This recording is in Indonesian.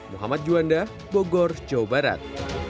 muhammad juanda bogor jawa barat